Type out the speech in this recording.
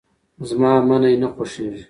زما منی نه خوښيږي.